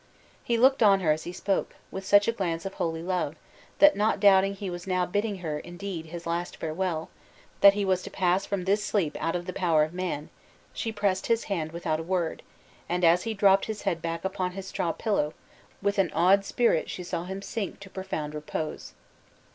He looked on her as he spoke, with such a glance of holy love, that not doubting he was now bidding her, indeed, his last farewell, that he was to pass from this sleep out of the power of man, she pressed his hand without a word, and as he dropped his head back upon his straw pillow, with an awed spirit she saw him sink to profound repose.